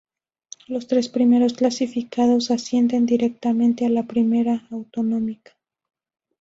Los tres primeros clasificados ascienden directamente a la Primera Autonómica.